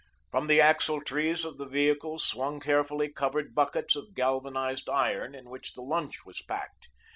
From the axle trees of the vehicles swung carefully covered buckets of galvanised iron, in which the lunch was packed.